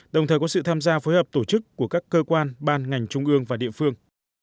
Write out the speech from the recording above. đồng thời có sự tham gia phối hợp tổ chức của các cơ quan ban ngành trung ương và địa phương